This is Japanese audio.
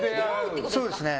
そうですね。